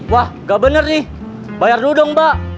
wah gak bener nih bayar dulu dong mbak